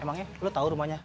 emangnya lo tau rumahnya